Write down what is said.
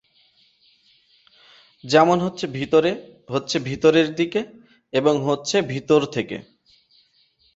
যেমন হচ্ছে "ভিতরে", হচ্ছে "ভিতরের দিকে" এবং হচ্ছে "ভিতর থেকে"।